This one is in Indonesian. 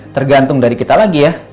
tergantung dari kita lagi ya